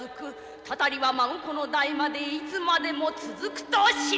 祟りは孫子の代までいつまでも続くと知れ！